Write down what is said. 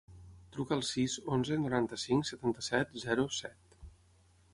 Truca al sis, onze, noranta-cinc, setanta-set, zero, set.